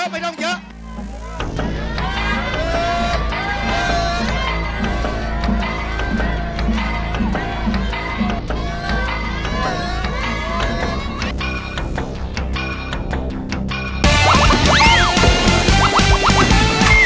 เป็นกำลังใจให้นับบทเชียร์นับบทเชียร์